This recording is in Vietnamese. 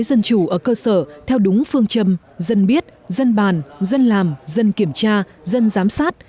dân chủ ở cơ sở theo đúng phương châm dân biết dân bàn dân làm dân kiểm tra dân giám sát